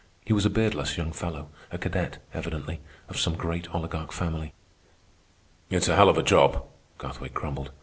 He was a beardless young fellow, a cadet, evidently, of some great oligarch family. "It's a hell of a job," Garthwaite grumbled.